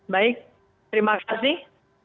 baik terima kasih